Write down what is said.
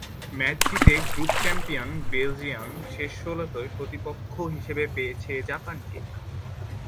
Match জিতে group champion Belgium শেষ ষোলোতে প্রতিপক্ষ হিসেবে পেয়েছে জাপানকে।